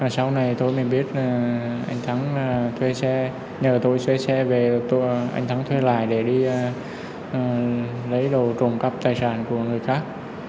sau này tôi mới biết anh thắng thuê xe nhờ tôi xe xe về anh thắng thuê lại để đi lấy đồ trồng cắp tài sản của người khác